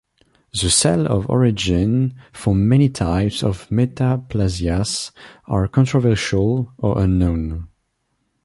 The cell of origin for many types of metaplasias are controversial or unknown.